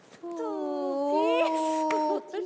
ที่สุด